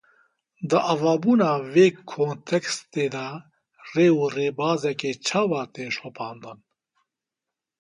Di avabûna vê kontekstê de rê û rêbazeke çawa tê şopandin?